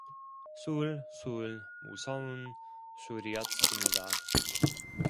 술 술 무서운 술이었습니다.